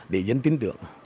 để dân tin tưởng